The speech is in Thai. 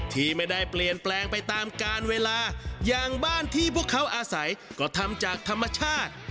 ที่ไม่ได้เปลี่ยนแปลงไปตามการเวลาอย่างบ้านที่พวกเขาอาศัยก็ทำจากธรรมชาติ